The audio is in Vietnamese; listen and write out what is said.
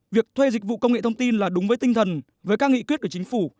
việc thuê dịch vụ công nghệ thông tin là đúng với tinh thần với các nghị quyết của chính phủ